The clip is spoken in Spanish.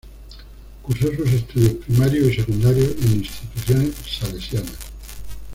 Cursó sus estudios primarios y secundarios en instituciones salesianas.